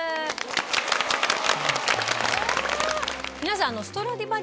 皆さん。